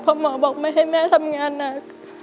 เพราะหมอบอกไม่ให้แม่ทำงานหนัก